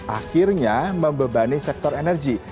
akhirnya membebani sektor energi